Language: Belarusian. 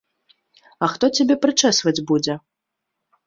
А хто цябе прычэсваць будзе?